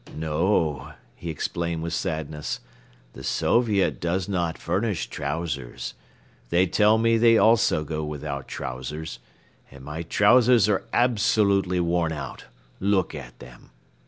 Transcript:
"No," he explained with sadness, "the Soviet does not furnish trousers. They tell me they also go without trousers. And my trousers are absolutely worn out. Look at them."